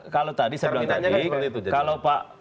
kalau tadi saya bilang tadi kalau pak